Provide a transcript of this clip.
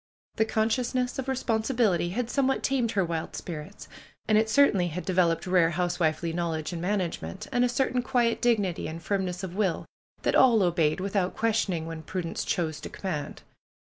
The consciousness of responsibility had somewhat tamed her wild spirits. And it certainly had developed rare housewifely knowl edge and management, and a certain quiet dignity and firmness of will that all obeyed without questioning when Prudence chose to command.